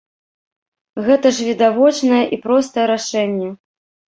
Гэта ж відавочнае і простае рашэнне.